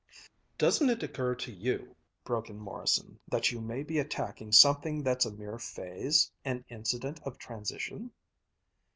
"Doesn't it occur to you," broke in Morrison, "that you may be attacking something that's a mere phase, an incident of transition?"